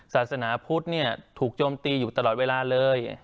ศาสนาพุทธถูกโจมตีอยู่ตลอดเวลาเลย